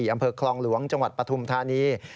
อำเภอคลองหลวงจังหวัดปฐุมธานี